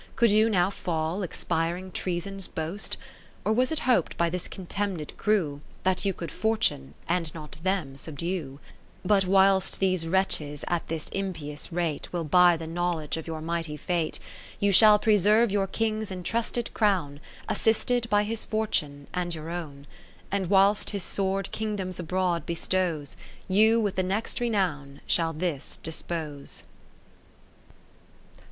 Could you now fall, expiring Treason's boast ? Or was it hop'd by this contemned crew, That you could Fortune and not them subdue ? Kath erine Phi lip i^ But whilst these wretches at this im pious rate, Will buy the knowledge of your mighty fate ; You shall preserve your King's en trusted crown, Assisted by his fortune and your own. And w^hilst his sword Kingdoms abroad bestows, You, with the next renown, shall this dispose.